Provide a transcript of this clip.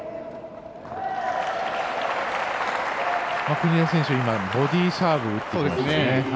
国枝選手、ボディーサーブ打ってきましたね。